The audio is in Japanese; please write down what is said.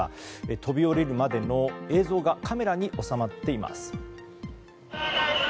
飛び降りるまでの映像がカメラに収まっています。